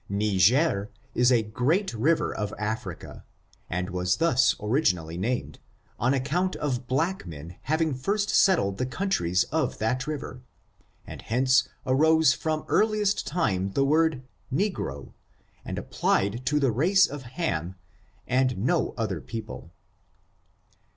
Niger, is a great river of Africa, and was thus originally named, on account of black men having first settled the coun tries of that river; and hence arose from earliest time the word negro, and applied to the race of Ham, and no other people.